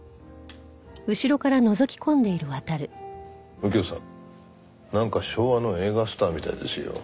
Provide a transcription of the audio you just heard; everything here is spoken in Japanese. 右京さんなんか昭和の映画スターみたいですよ。